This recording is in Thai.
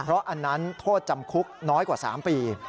เพราะอันนั้นโทษจำคุกน้อยกว่า๓ปี